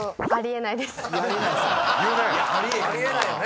あり得ないです。